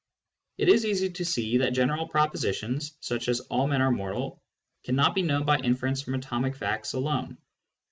It is easy to see that general propositions, such as " all men arc mortal," cannot be known by inference from atomic facts alone.